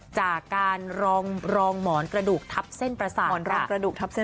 จากการรองหมอนกระดูกทับเส้นประสานค่ะ